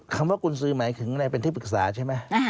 คำว่ากุญสือหมายถึงอะไรเป็นที่ปรึกษาใช่ไหม